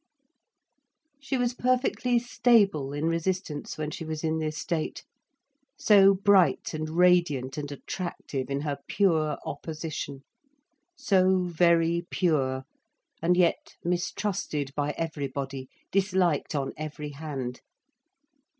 She was perfectly stable in resistance when she was in this state: so bright and radiant and attractive in her pure opposition, so very pure, and yet mistrusted by everybody, disliked on every hand.